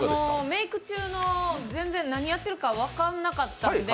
メイク中の全然何やってるか分からなかったので